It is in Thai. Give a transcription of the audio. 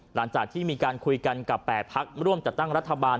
หลังจากที่มีการคุยกันกับ๘พักร่วมจัดตั้งรัฐบาล